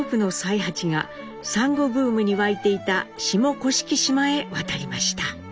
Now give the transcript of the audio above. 八がサンゴブームに沸いていた下甑島へ渡りました。